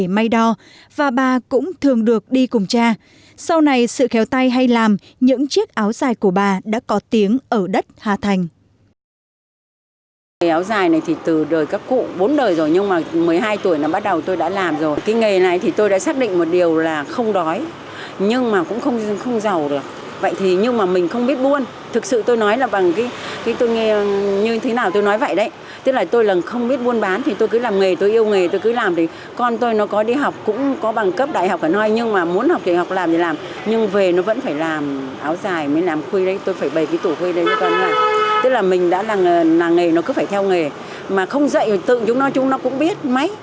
mà không dạy tự chúng nó chúng nó cũng biết máy dần dần nó nhìn nó biết